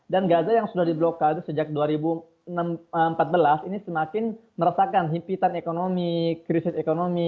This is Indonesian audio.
dan gaza yang sudah diblokal itu sejak dua ribu empat belas ini semakin merasakan hipitan ekonomi krisis ekonomi